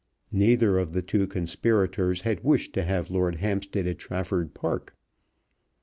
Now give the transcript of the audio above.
Neither of the two conspirators had wished to have Lord Hampstead at Trafford Park.